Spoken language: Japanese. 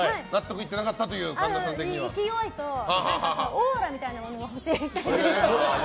勢いと、オーラみたいなものが欲しいって。